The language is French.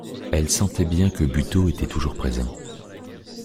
Elle sentait bien que Buteau était toujours présent.